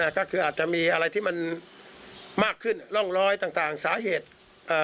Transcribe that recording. ก็คืออาจจะมีอะไรที่มันมากขึ้นร่องรอยต่างต่างสาเหตุ